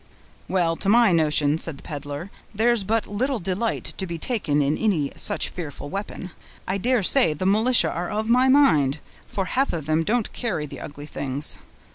"Well, to my notion," said the peddler, "there's but little delight to be taken in any such fearful weapon. I dare say the militia are of my mind, for half of them don't carry the ugly things.